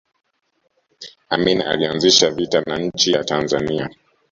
amin alianzisha vita na nchi ya tanzania